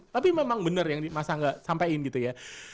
tapi memang benar yang mas angga sampaikan gitu ya